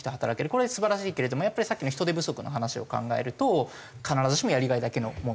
これは素晴らしいけれどもさっきの人手不足の話を考えると必ずしもやりがいだけの問題じゃないと。